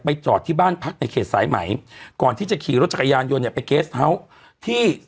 จอดที่บ้านพักในเขตสายไหมก่อนที่จะขี่รถจักรยานยนต์เนี่ยไปเกสเฮาส์ที่